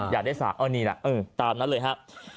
อยากได้๓นี่ละตามนั้นเลยฮะ